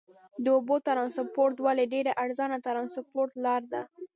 د اوبو ترانسپورت ولې ډېره ارزانه ترانسپورت لار ده؟